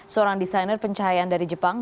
seorang desainer pencahayaan dari jepang